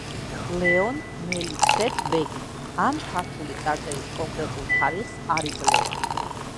ლეონ მელიქსეთ-ბეგი ამ ქართული წარწერის კონკრეტულ თარიღს არ იძლევა.